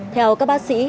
theo các ba sĩ